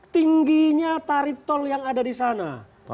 tingginya tarif tol yang ada di sana